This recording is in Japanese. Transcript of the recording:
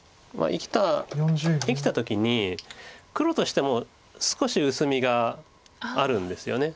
生きた時に黒としても少し薄みがあるんですよね。